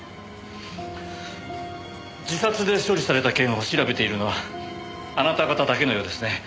自殺で処理された件を調べているのはあなた方だけのようですね。